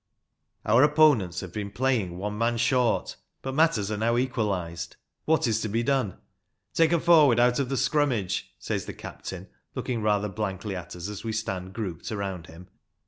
Our opponents have been playing one man short; but matters are now equalized. What is to be done? "Take a for ward out of the scrummage," says the captain, looking rather blankly at us as we stand grouped around him.